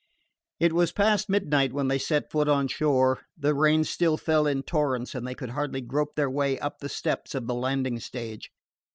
It was past midnight when they set foot on shore. The rain still fell in torrents and they could hardly grope their way up the steps of the landing stage.